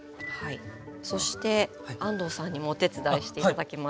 そして安藤さんにもお手伝いして頂きます。